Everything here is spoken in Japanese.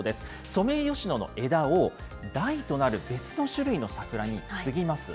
ソメイヨシノの枝を台となる別の種類の桜に接ぎます。